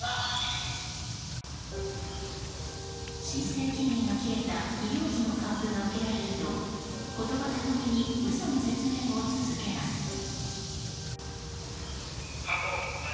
申請期限が切れた医療費の還付が受けられると言葉巧みに嘘の説明を続けます。